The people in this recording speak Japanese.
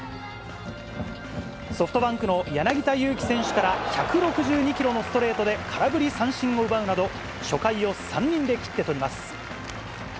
ソフトバンクの柳田悠岐選手から１６２キロのストレートで空振り三振を奪うなど、初回を３人で切って取ります。